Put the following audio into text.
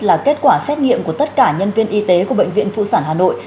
là kết quả xét nghiệm của tất cả nhân viên y tế của bệnh viện phụ sản hà nội